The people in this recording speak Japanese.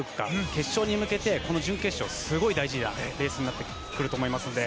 決勝に向けて、この準決勝すごい大事なレースになってくると思います。